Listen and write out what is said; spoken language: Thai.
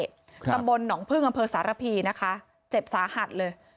ตำบลหนองพึ่งอำเภอสารพีนะคะเจ็บสาหัสเลย